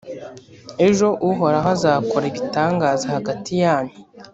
ejo uhoraho azakora ibitangaza hagati yanyu.»